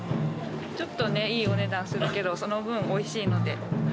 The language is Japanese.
ちょっとね、いいお値段するけど、その分おいしいので。